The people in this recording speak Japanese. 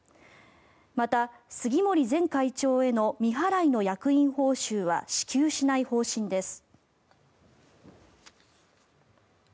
また、杉森前会長への未払いの役員報酬は支給しない方針です。